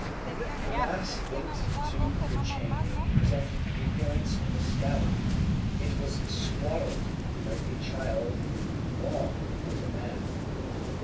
The mass linked to the chain presented the appearance of a scabbard. It was swaddled like a child and long like a man.